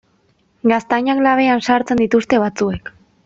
Gaztainak labean sartzen dituzte batzuek.